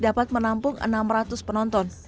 dapat menampung enam ratus penonton